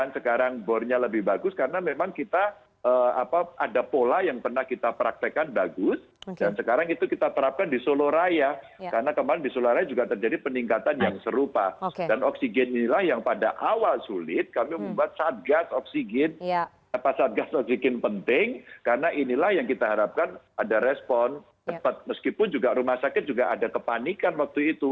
selamat sore mbak rifana